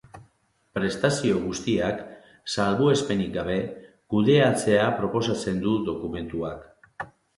Prestazio guztiak, salbuespenik gabe, kudeatzea proposatzen du dokumentuak.